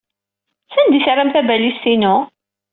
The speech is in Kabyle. Sanda ay terram tabalizt-inu?